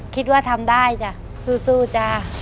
คิดว่าทำได้จ้ะสู้จ้ะ